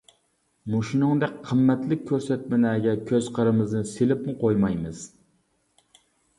مۇشۇنىڭدەك قىممەتلىك كۆرسەتمىلەرگە كۆز-قىرىمىزنى سېلىپمۇ قويمايمىز.